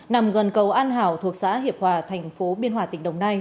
nằm gần cầu an hảo thuộc xã hiệp hòa thành phố biên hòa tỉnh đồng nai